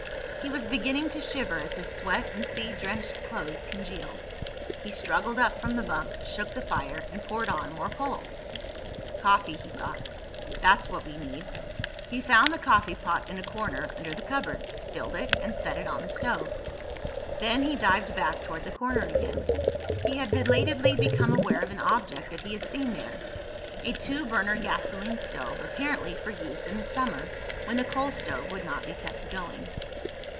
He was beginning to shiver as his sweat and sea drenched clothes congealed. He struggled up from the bunk, shook the fire, and poured on more coal. Coffee, he thought—that's what we need. He found the coffeepot in a corner under the cupboards, filled it, and set it on the stove. Then he dived back toward the corner again. He had belatedly become aware of an object that he had seen there—a two burner gasoline stove, apparently for use in the summer when the coal stove would not be kept going.